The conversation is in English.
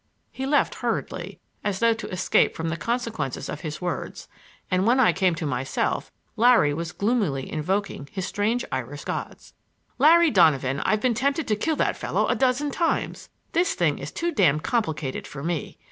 He left hurriedly, as though to escape from the consequences of his words, and when I came to myself Larry was gloomily invoking his strange Irish gods. "Larry Donovan, I've been tempted to kill that fellow a dozen times! This thing is too damned complicated for me.